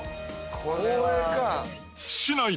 これか。